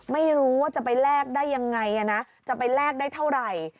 ไม่รู้ว่าจะไปแลกได้ยังไงนะจะไปแลกได้เท่าไหร่